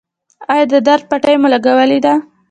ایا د درد پټۍ مو لګولې ده؟